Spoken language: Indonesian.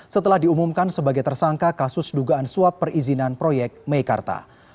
setelah diumumkan sebagai tersangka kasus dugaan suap perizinan proyek meikarta